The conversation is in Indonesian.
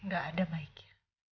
gak ada baiknya